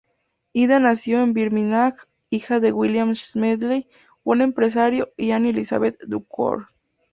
Ida nació en Birmingham, hija de William Smedley, un empresario, y Annie Elizabeth Duckworth.